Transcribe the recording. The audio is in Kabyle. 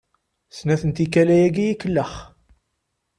Snat n tikkal ayagi i yi-ikellex.